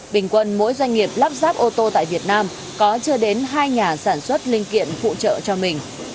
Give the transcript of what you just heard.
bình quân mỗi doanh nghiệp lắp ráp ô tô tại việt nam có chưa đến hai nhà sản xuất linh kiện phụ trợ cho mình